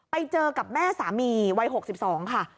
ไปเจอกับแม่สามีวัย๖๒ค่ะ